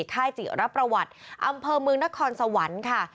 ค่ายจิรประวัติอำเภอเมืองนครสวรรค์ค่ะ